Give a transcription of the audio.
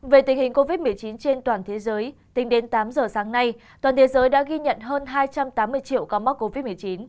về tình hình covid một mươi chín trên toàn thế giới tính đến tám giờ sáng nay toàn thế giới đã ghi nhận hơn hai trăm tám mươi triệu ca mắc covid một mươi chín